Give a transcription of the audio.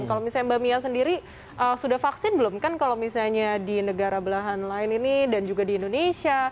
kalau misalnya mbak mia sendiri sudah vaksin belum kan kalau misalnya di negara belahan lain ini dan juga di indonesia